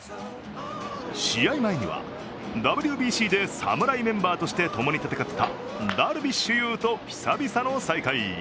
試合前にはＷＢＣで侍メンバーとしてともに戦ったダルビッシュ有と久々の再会。